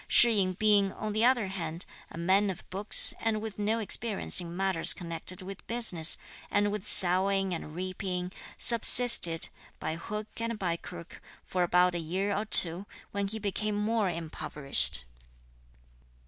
Shih yin being, on the other hand, a man of books and with no experience in matters connected with business and with sowing and reaping, subsisted, by hook and by crook, for about a year or two, when he became more impoverished.